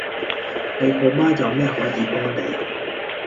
你好嗎有咩可以幫你